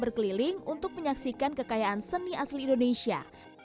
berkeliling untuk menyaksikan kekayaan seni asli indonesia